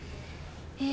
え